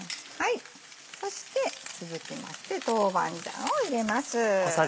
そして続きまして豆板醤を入れます。